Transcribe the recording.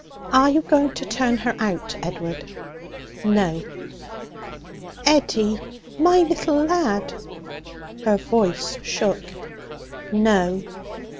'Are you going to turn her out, Edward?' 'No.' 'Eddie! my little lad!' Her voice shook. 'No.'